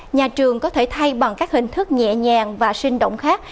nhà trường có thể thay bằng các hình thức nhẹ nhàng và sinh động khác